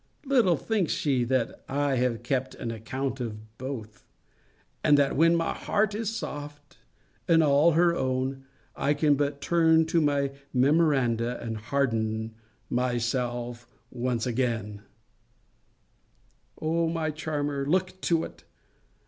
Little thinks she, that I have kept an account of both: and that, when my heart is soft, and all her own, I can but turn to my memoranda, and harden myself at once. O my charmer, look to it!